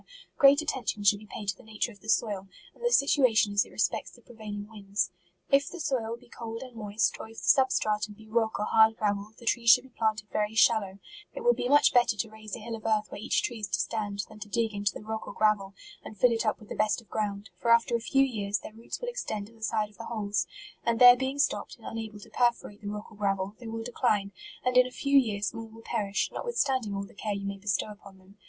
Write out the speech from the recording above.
great attention should be paid to the nature of the soil, and the sit uation as it respects the prevailing winds. If the soil be cold and moist, or if the sub stratum be rock or hard gravel, the trees should be planted very shallow r : it will be much better to raise a hill of earth where each tree is to stand, than to dig into the rock or gravel, and fill it up with the best of ground ; for after a few years their roots will extend to the sides of the holes, and there being stopped, and unable to perforate the rock or gravel, they will decline, and in a few years more will perish, notwithstanding all the care you may bestow upon them.